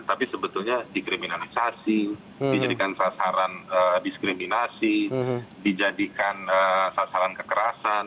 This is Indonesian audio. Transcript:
tapi sebetulnya dikriminalisasi dijadikan sasaran diskriminasi dijadikan sasaran kekerasan